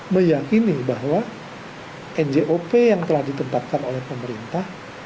meyakini bahwa njop yang telah ditetapkan oleh pemerintah